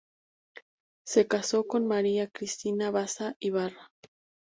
Se casó con María Cristina Basa Ybarra.